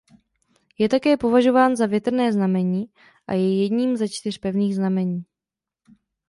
Je také považován za větrné znamení a je jedním ze čtyř pevných znamení.